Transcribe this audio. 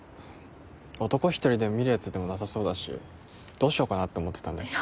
男一人で見るやつでもなさそうだしどうしようかなって思ってたんでいや